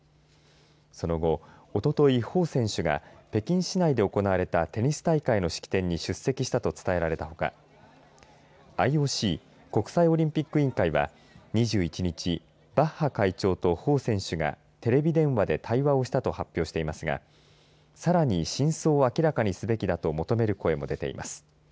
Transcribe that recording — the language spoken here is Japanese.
その後、おととい彭選手が北京市内で行われたテニス大会の式典に出席したと伝えられたほかＩＯＣ国際オリンピック委員会は２１日バッハ会長と彭選手がテレビ電話で対話をしたと発表をしていますがさらに真相を明らかにすべきだと求める声も出ています。